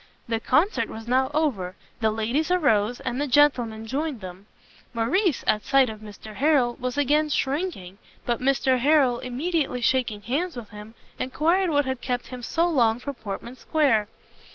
The Concert was now over; the ladies arose, and the gentlemen joined them. Morrice, at sight of Mr Harrel, was again shrinking; but Mr Harrel, immediately shaking hands with him, enquired what had kept him so long from Portman Square?